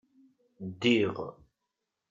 Ddiɣ.